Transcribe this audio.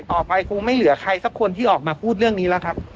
คงไม่เหลือใครสักคนที่ออกมาพูดเรื่องนี้แล้วครับ